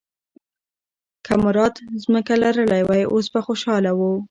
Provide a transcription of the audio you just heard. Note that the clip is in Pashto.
که مراد ځمکه لرلی وای، اوس به خوشاله و.